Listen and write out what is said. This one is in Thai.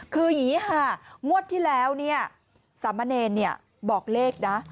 คืออย่างนี้ค่ะงวดที่แล้วสามเณรคอร์สบอกเลขนะ